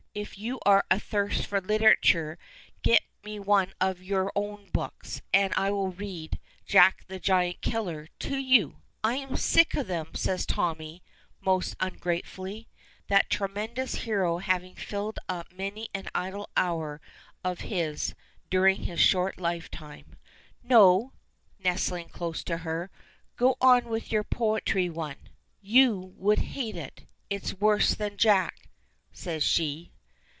If you are athirst for literature, get me one of your own books, and I will read 'Jack the Giant Killer' to you." "I'm sick of him," says Tommy, most ungratefully. That tremendous hero having filled up many an idle hour of his during his short lifetime. "No," nestling closer to her. "Go on with your poetry one!" "You would hate it. It is worse than 'Jack,'" says she.